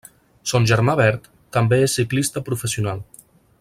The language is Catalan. Son germà Bert també és ciclista professional.